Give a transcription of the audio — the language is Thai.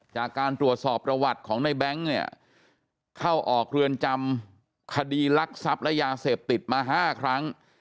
จากการตรวจสอบประวัติของในแบงค์เนี่ยเข้าออกเรือนจำคดีรักทรัพย์และยาเสพติดมา๕ครั้ง